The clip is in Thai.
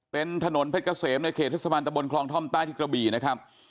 เป็นถนนเพชรเกษมในเขตเทศบาลตะบนคลองท่อมใต้ที่กระบี่นะครับ